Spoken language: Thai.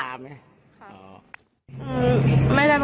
รวนลำไหม